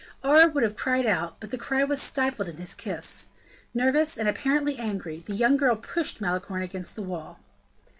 Aure would have cried out, but the cry was stifled in his kiss. Nervous and, apparently, angry, the young girl pushed Malicorne against the wall.